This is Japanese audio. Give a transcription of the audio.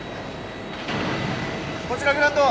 こちらグランド。